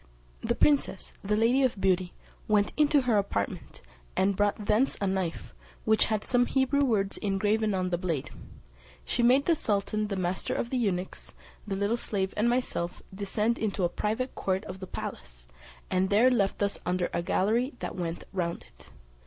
The princess, the Lady of Beauty, went into her apartment, and brought thence a knife, which had some Hebrew words engraven on the blade: she made the sultan, the master of the eunuchs, the little slave, and myself, descend into a private court of the palace, and there left us under a gallery that went round it.